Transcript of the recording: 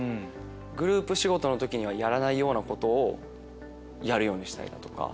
グループ仕事の時にはやらないようなことをやるようにしたりだとか。